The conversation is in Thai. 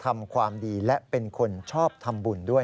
ไม่ได้แบ่งให้ไปด้วย